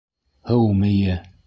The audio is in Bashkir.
Һыу мейе!